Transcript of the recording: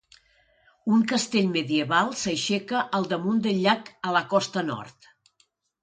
Un castell medieval s'aixeca al damunt del llac a la costa nord.